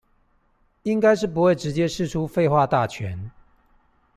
應該不是會直接釋出廢話大全